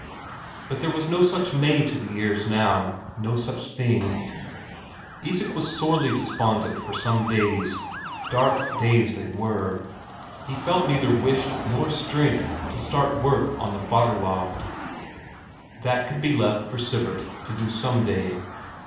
But there was no such May to the years now. No such thing. Isak was sorely despondent for some days. Dark days they were. He felt neither wish nor strength to start work on the fodder loft that could be left for Sivert to do some day.